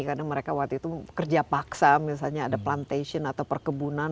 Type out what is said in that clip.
karena mereka waktu itu kerja paksa misalnya ada plantation atau perkebunan